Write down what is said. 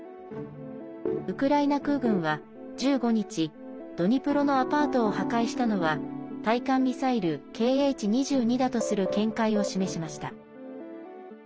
ウクライナ空軍は１５日ドニプロのアパートを破壊したのは対艦ミサイル「Ｋｈ‐２２」だとする見解を示しました。